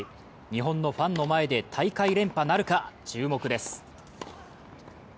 日本のファンの前で大会連覇なるか、注目です。